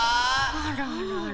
あらあら。